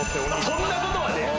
そんなことはねえ！